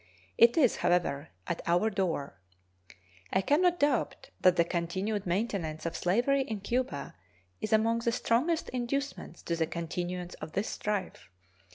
It is, however, at our door. I can not doubt that the continued maintenance of slavery in Cuba is among the strongest inducements to the continuance of this strife.